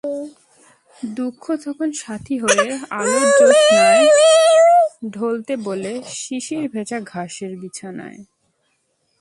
দুঃখ তখন সাথি হয়ে আলোর জ্যোৎস্নায়, ঢলতে বলে শিশিরভেজা ঘাসের বিছানায়।